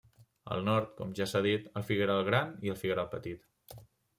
Al nord, com ja s'ha dit, el figueral Gran i el figueral Petit.